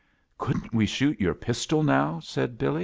"Couldn't we shoot your pistol now?" asked Billy.